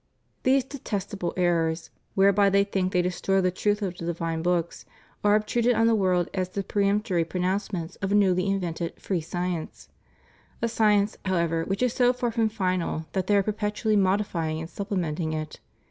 These detestablt errors, whereby they think they destroy the truth of the divine books, are obtruded on the world as the peremptory pronouncements of a newly invented free science; a science, however, which is so far from final that they are perpetually modifying and supplementing it.